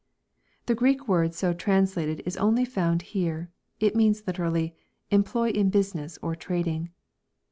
] The Greek word so translated is only found here. It means literally, " employ in business, or trading."